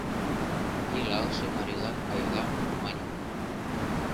Илалше марийлан каялам, маньым, -